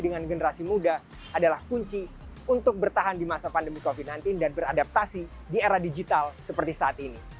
dengan generasi muda adalah kunci untuk bertahan di masa pandemi covid sembilan belas dan beradaptasi di era digital seperti saat ini